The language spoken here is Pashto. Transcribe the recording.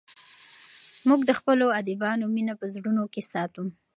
موږ د خپلو ادیبانو مینه په زړونو کې ساتو.